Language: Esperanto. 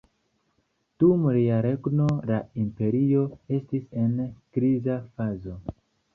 Dum lia regno la imperio estis en kriza fazo.